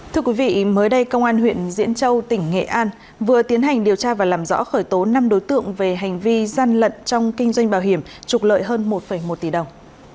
thưa quý vị mới đây công an huyện diễn châu tỉnh nghệ an vừa tiến hành điều tra và làm rõ khởi tố năm đối tượng về hành vi gian lận trong kinh doanh bảo hiểm trục lợi hơn một một tỷ đồng